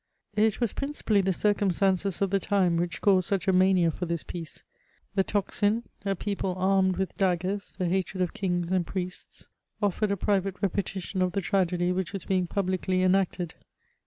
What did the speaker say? It was principally the circumstances of the time which caused such a mania for th^ piece ; the tocsin, a people armed with daggers, the hatred of kings and priests, offered a private repetition of the tragedy which was being publicly enacted.